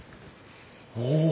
お！